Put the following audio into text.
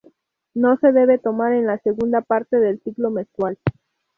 No se debe tomar en la segunda parte del ciclo menstrual.